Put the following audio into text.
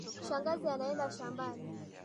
Shangazi anaenda shambani.